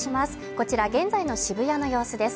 こちら現在の渋谷の様子です。